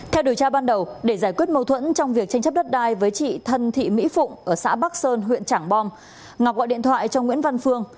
theo điều tra ban đầu để giải quyết mâu thuẫn trong việc tranh chấp đất đai với chị thân thị mỹ phụng ở xã bắc sơn huyện trảng bom ngọc gọi điện thoại cho nguyễn văn phương